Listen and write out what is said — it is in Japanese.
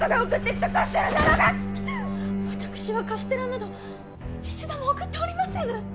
私はカステラなど一度も送っておりませぬ！